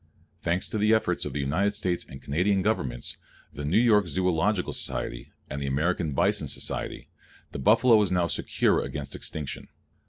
Thanks to the efforts of the United States and Canadian Governments, the New York Zoological Society and the American Bison Society, the buffalo now is secure against extinction.